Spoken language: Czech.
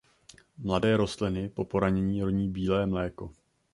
Mladé rostliny po poranění roní bílé mléko.